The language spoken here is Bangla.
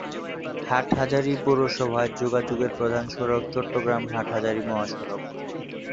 হাটহাজারী পৌরসভায় যোগাযোগের প্রধান সড়ক চট্টগ্রাম-হাটহাজারী মহাসড়ক।